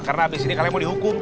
karena abis ini kalian mau dihukum